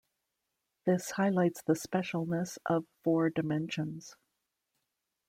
This highlights the specialness of four dimensions.